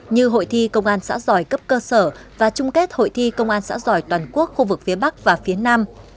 như hội thi công an xã giỏi cấp cơ sở và trung kết hội thi công an xã giỏi toàn quốc khu vực phía bắc và phía nam